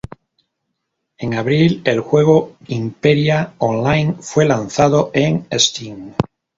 En abril, el juego Imperia Online fue lanzado en Steam.